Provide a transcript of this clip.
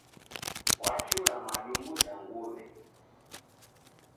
Wachura madumbu sa nguwe